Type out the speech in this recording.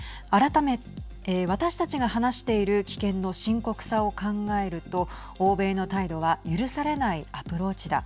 私たちが話している危険の深刻さを考えると欧米の態度は許されないアプローチだ。